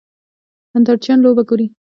نندارچیان لوبه ګوري.